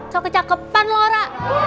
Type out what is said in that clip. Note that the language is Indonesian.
so kecapepan lo rara